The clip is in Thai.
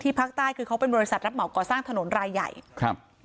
ภาคใต้คือเขาเป็นบริษัทรับเหมาก่อสร้างถนนรายใหญ่ครับ